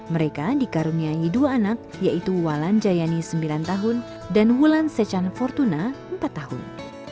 mereka dikaruniai dua anak yaitu walan jayani sembilan tahun dan wulan secan fortuna empat tahun